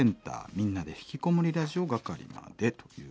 「みんなでひきこもりラジオ」係までということで。